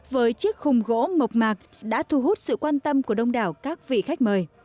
với chiếc khung gỗ mộc mạc đã thu hút sự quan tâm của đông đảo các vị khách mời